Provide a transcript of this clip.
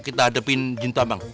kita hadapin jintomang